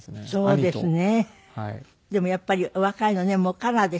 そうですね。